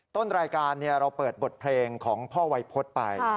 ต้นรายการเราเปิดบทเพลงของพ่อวัยพฤษไป